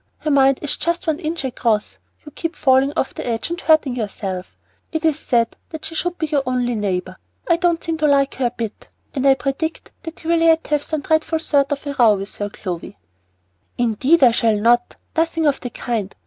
"Her mind is just one inch across. You keep falling off the edge and hurting yourself. It's sad that she should be your only neighbor. I don't seem to like her a bit, and I predict that you will yet have some dreadful sort of a row with her, Clovy." "Indeed we shall not; nothing of the kind.